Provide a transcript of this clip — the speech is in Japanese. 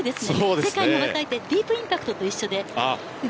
世界に羽ばたいてディープインパクトと一緒で。